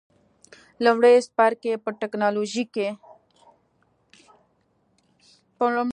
لومړی څپرکی په ټېکنالوجي او سیسټم باندې تمرکز کوي.